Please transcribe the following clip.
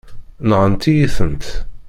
Nɣant-iyi-tent.